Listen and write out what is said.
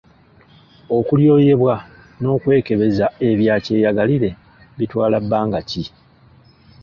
Okulyoyebwa n’okwekebeza ebya kyeyagalire bitwala bbanga ki?